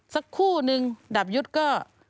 สักคู่นึงดาบยุทธ์ก็